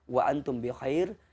wa antum bikhair